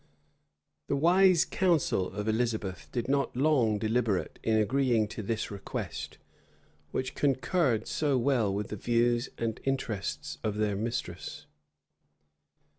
The wise council of Elizabeth did not long deliberate in agreeing to this request, which concurred so well with the views and interests of their mistress.